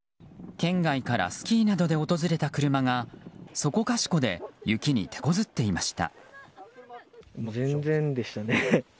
県外からスキーなどで訪れた車がそこかしこで雪に手こずっていました。